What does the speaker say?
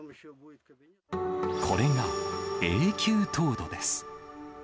これが永久凍土です。